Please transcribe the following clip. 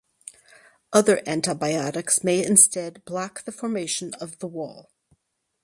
Other antibiotics may instead block the formation of the wall.